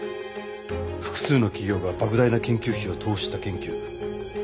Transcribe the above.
複数の企業が莫大な研究費を投資した研究。